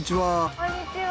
こんにちは。